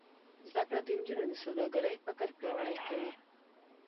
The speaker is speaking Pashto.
زده کړه د نجونو د سوداګرۍ فکر پیاوړی کوي.